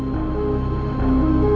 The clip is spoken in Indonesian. sampai jumpa lagi